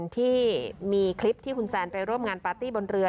ที่มีคลิปที่คุณแซนไปร่วมงานปาร์ตี้บนเรือ